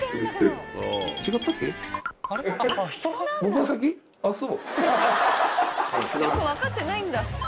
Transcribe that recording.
よくわかってないんだ。